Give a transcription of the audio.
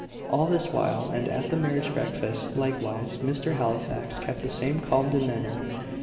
All this while, and at the marriage breakfast likewise, Mr. Halifax kept the same calm demeanour.